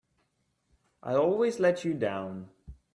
I'll always let you down!